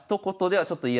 はい。